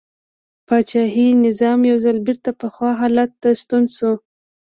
پاچاهي نظام یو ځل بېرته پخوا حالت ته ستون شو.